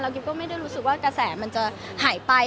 กิ๊บก็ไม่ได้รู้สึกว่ากระแสมันจะหายไป